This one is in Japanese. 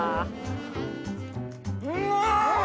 うまい！